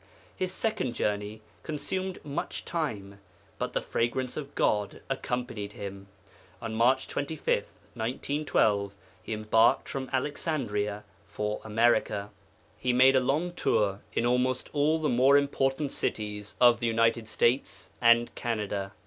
His second journey consumed much time, but the fragrance of God accompanied Him. On March 25, 1912, He embarked from Alexandria for America. He made a long tour in almost all the more important cities of the United States and Canada.